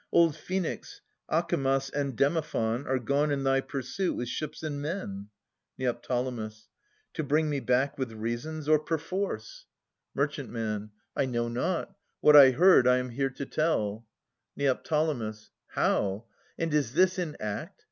Old Phoenix, Acamas and Demophon Are gone in thy pursuit with ships and men. Neo. To bring me back with reasons or perforce? 564 590] Philodetes 287 Mer. I know not. What I heard, I am here to tell, Neo. How ? And is this in act